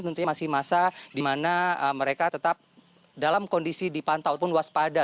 tentunya masih masa di mana mereka tetap dalam kondisi dipantau pun waspada